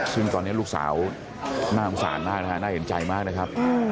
ซึ่งตอนนี้ลูกสาวน่าอำสาหรับมากน่าเห็นใจมากนะครับ